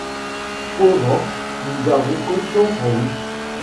Fauvent, nous avons confiance en vous.